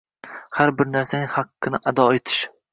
har bir narsaning haqqini ado etish